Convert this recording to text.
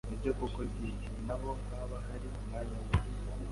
Ni byo koko di! Ni na ho haba hari umwanya wo